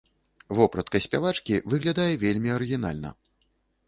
Вопратка спявачкі выглядае вельмі арыгінальна.